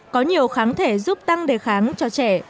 có nhiều kháng thể giúp tăng đề kháng cho trẻ